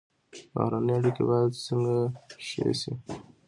بهرنۍ اړیکې باید څنګه ښې شي؟